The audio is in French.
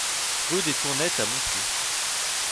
Rue des Tournettes à Montiers